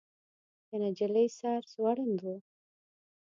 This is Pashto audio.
د نجلۍ سر ځوړند و.